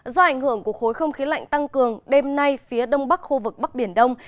do ảnh hưởng của khối không khí lạnh tăng cường đêm nay phía đông bắc khu vực bắc biển đông